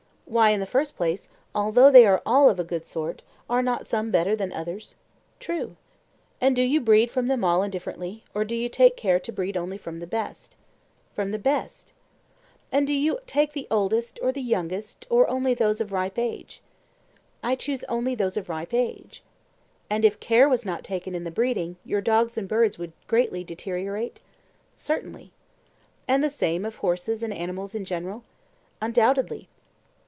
Why, in the first place, although they are all of a good sort, are not some better than others? True. And do you breed from them all indifferently, or do you take care to breed from the best only? From the best. And do you take the oldest or the youngest, or only those of ripe age? I choose only those of ripe age. And if care was not taken in the breeding, your dogs and birds would greatly deteriorate? Certainly. And the same of horses and animals in general? Undoubtedly.